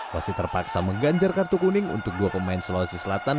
wasit terpaksa mengganjar kartu kuning untuk dua pemain sulawesi selatan